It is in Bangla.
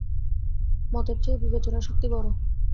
মতের চেয়ে বিবেচনাশক্তি বড়ো।